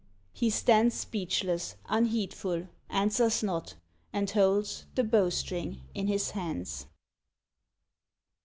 He stands Speechless, unheedful, answers not, and holds The bow string in his hands.